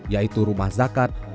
yaitu rumah zakat